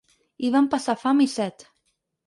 Hi van passar fam i set.